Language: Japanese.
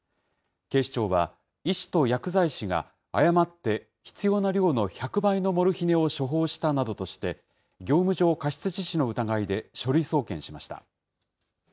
警視庁は、医師と薬剤師が誤って、必要な量の１００倍のモルヒネを処方したなどとして、業務上過失致死の疑いで書類送検しました。